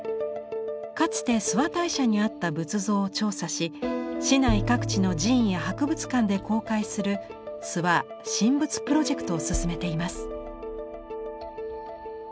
かつて諏訪大社にあった仏像を調査し市内各地の寺院や博物館で公開する「諏訪神仏プロジェクト」を進めています。